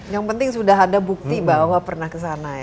yang penting sudah ada bukti bahwa pernah kesana ya